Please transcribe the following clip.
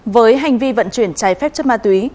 với hành vi vận chuyển trái phép chất ma túy